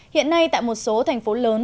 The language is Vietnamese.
hiện nay tại một số thành phố lớn